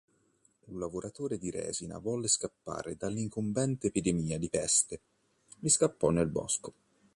Un lavoratore di resina volle scappare dall'incombente epidemia di peste, e scappò nel bosco.